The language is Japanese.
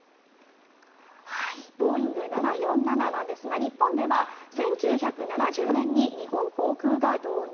ボーイング７４７なんですが日本では１９７０年に日本航空が導入。